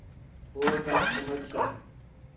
ہو سچ سمجھ کر